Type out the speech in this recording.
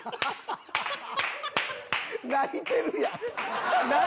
泣いてるやん！